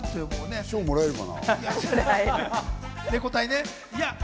賞、もらえるかな？